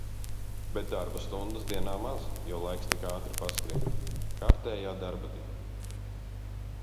Bet darba stundas dienā maz, jo laiks tik ātri paskrien. Kārtējā darba diena.